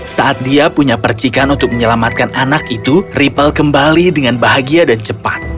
saat dia punya percikan untuk menyelamatkan anak itu ripple kembali dengan bahagia dan cepat